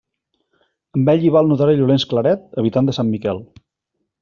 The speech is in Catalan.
Amb ell hi va el notari Llorenç Claret, habitant de Sant Miquel.